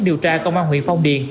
điều tra công an huyện phong điền